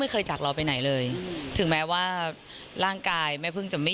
เคยจากเราไปไหนเลยถึงแม้ว่าร่างกายแม่พึ่งจะไม่